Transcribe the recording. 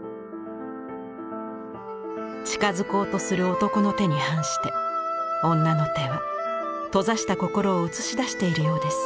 近づこうとする男の手に反して女の手は閉ざした心を映し出しているようです。